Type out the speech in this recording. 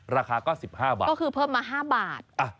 ราคาก็๑๕บาทก็คือเพิ่มมา๕บาท